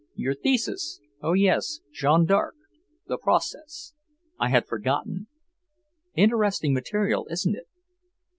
"Your thesis? Oh yes, Jeanne d'Arc. The Proces. I had forgotten. Interesting material, isn't it?"